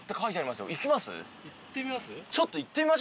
行ってみます？